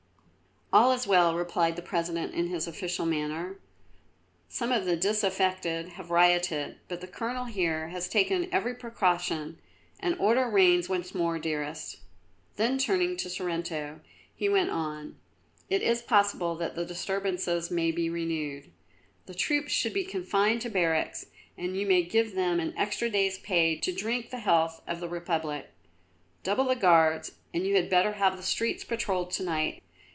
"All is well," replied the President in his official manner. "Some of the disaffected have rioted, but the Colonel here has taken every precaution and order reigns once more, dearest." Then turning to Sorrento, he went on: "It is possible that the disturbances may be renewed. The troops should be confined to barracks and you may give them an extra day's pay to drink the health of the Republic. Double the Guards and you had better have the streets patrolled to night.